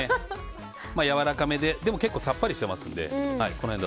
やわらかめで結構さっぱりしてますので。